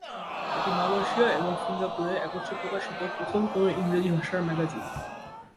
এটি মালয়েশিয়া এবং সিঙ্গাপুরে একত্রে প্রকাশিত প্রথম কোন ইংরেজি ভাষার ম্যাগাজিন।